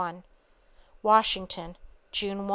Washington, June 1.